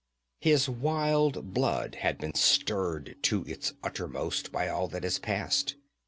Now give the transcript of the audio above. His wild blood had been stirred to its uttermost by all that had passed.